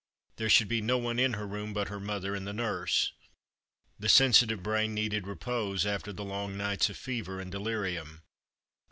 There should be no one in her room but her mother and the nurse. The sensitive brain needed repose, after the long nights of fever and delirium.